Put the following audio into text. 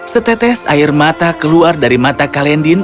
setetes air mata keluar dari mata kalendin